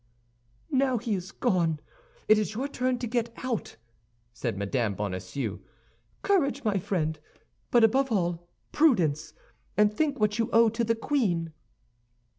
"Now he is gone, it is your turn to get out," said Mme. Bonacieux. "Courage, my friend, but above all, prudence, and think what you owe to the queen."